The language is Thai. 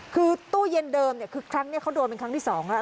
คือตู้เย็นเดิมเนี่ยคือครั้งนี้เขาโดนเป็นครั้งที่๒แล้ว